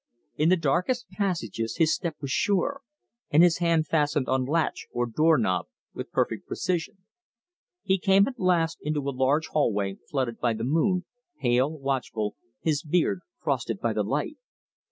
In the darkest passages his step was sure, and his hand fastened on latch or door knob with perfect precision. He came at last into a large hallway flooded by the moon, pale, watchful, his beard frosted by the light.